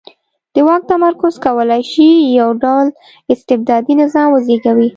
د واک تمرکز کولای شي یو ډ ول استبدادي نظام وزېږوي.